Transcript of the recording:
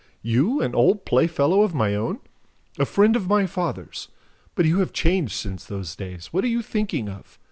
You, an old playfellow of my own! A friend of my father's! But you have changed since those days. What are you thinking of?